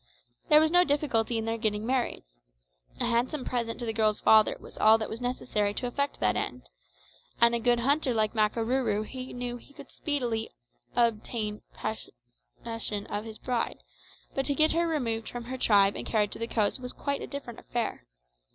There was no difficulty in their getting married. A handsome present to the girl's father was all that was necessary to effect that end, and a good hunter like Makarooroo knew he could speedily obtain possession of his bride, but to get her removed from her tribe and carried to the coast was quite a different affair.